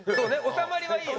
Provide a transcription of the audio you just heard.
収まりはいいよね。